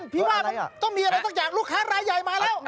พี่ว่ามันต้องมีอะไรต้องจากลูกค้ารายใหญ่มาแล้ว